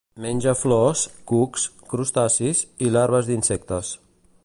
Menja flors, cucs, crustacis i larves d'insectes.